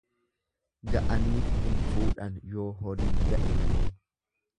Ga'aniif hin fuudhan yoo horiin ga'e malee.